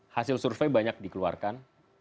hasil survei banyak dikeluarkan